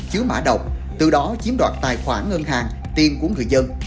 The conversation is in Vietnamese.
chứa mã độc từ đó chiếm đoạt tài khoản ngân hàng tiền của người dân